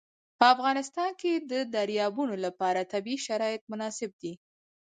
په افغانستان کې د دریابونه لپاره طبیعي شرایط مناسب دي.